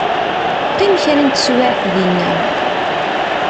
Qqim kra n tewiɛt dina.